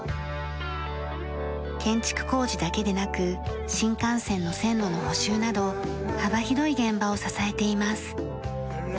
建築工事だけでなく新幹線の線路の補修など幅広い現場を支えています。